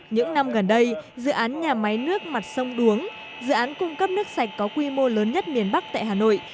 nhà máy nước mặt sông đuống dự án cung cấp nước sạch có quy mô lớn nhất miền bắc tại hà nội